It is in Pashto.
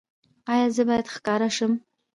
ایا زه باید ښکاره شم؟